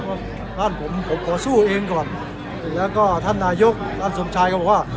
ว่าบ้านผมผมขอสู้เองก่อนแล้วก็ท่านนายกท่านสมชายก็บอกว่า